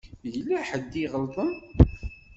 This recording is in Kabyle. Yella ḥedd i iɣelḍen.